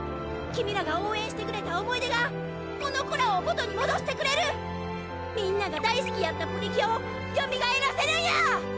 君らが応援してくれた思い出がこの子らを元にもどしてくれるみんなが大すきやったプリキュアをよみがえらせるんや！